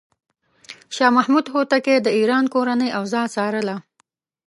شاه محمود هوتکی د ایران کورنۍ اوضاع څارله.